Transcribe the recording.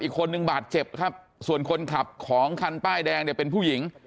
อีกคนนึงบาดเจ็บครับส่วนคนขับของคันป้ายแดงเนี่ยเป็นผู้หญิง